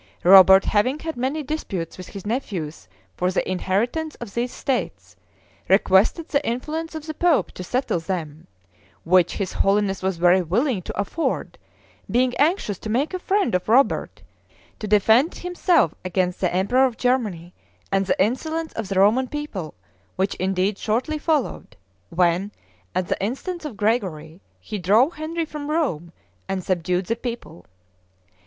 Robert having had many disputes with his nephews for the inheritance of these states, requested the influence of the pope to settle them; which his holiness was very willing to afford, being anxious to make a friend of Robert, to defend himself against the emperor of Germany and the insolence of the Roman people, which indeed shortly followed, when, at the instance of Gregory, he drove Henry from Rome, and subdued the people.